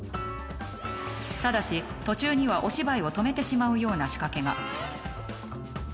ただし途中にはお芝居を止めてしまうような仕掛けが。